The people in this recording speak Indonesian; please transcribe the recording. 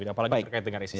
apalagi terkait dengan isis